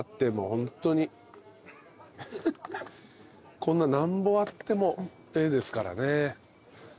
こんなん何ぼあってもええですからね。